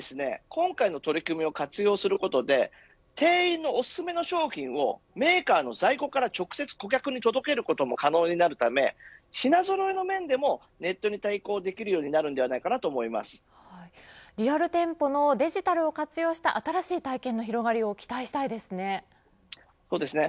今回の取り組みを活用することで店員のおすすめの商品をメーカーの在庫から直接顧客に届けることも可能になるため品ぞろえの面でもネットに対抗できるようにリアル店舗のデジタルを活用した新しい体験の広がりを期待したいですね。